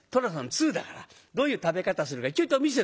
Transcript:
通だからどういう食べ方するかちょいと見せて」。